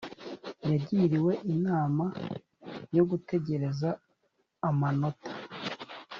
yagiriwe inama yo gutegereza amanota